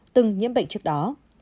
từng nhiễm bệnh trước đó